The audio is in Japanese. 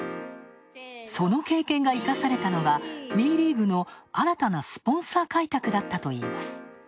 その経験が生かされたのがＷＥリーグの新たなスポンサー開拓だったといいます。